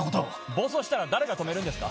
暴走したら誰が止めるんですか？